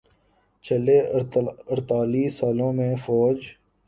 چھلے اڑتالیس سالوں میں فوج